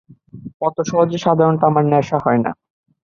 অত সহজে সাধারণত আমার নেশা হয় না।